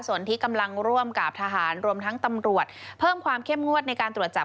ส่วนที่กำลังร่วมกับทหารรวมทั้งตำรวจเพิ่มความเข้มงวดในการตรวจจับ